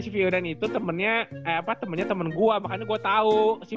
sore ya hahaha itu temennya temen gua makanya gua tahu